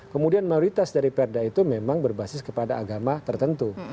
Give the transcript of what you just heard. kemudian mayoritas dari perda itu memang berbasis kepada agama tertentu